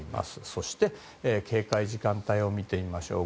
そして警戒時間帯を見てみましょう。